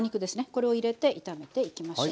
これを入れて炒めていきましょう。